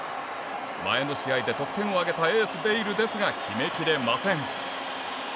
前の試合で得点を挙げたエース、ベイルですが決めきれません。